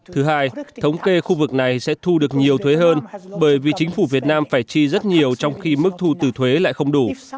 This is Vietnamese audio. thứ hai thống kê khu vực này sẽ thu được nhiều thuế hơn bởi vì chính phủ việt nam phải chi rất nhiều trong khi mức thu từ thuế lại không đủ